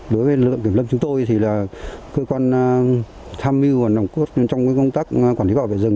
đối với lực lượng kiểm lâm chúng tôi thì là cơ quan tham mưu và nòng cốt trong công tác quản lý bảo vệ rừng